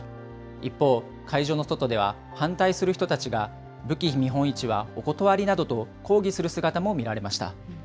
一方、会場の外では、反対する人たちが、武器見本市はおことわりなどと抗議する姿も見られました。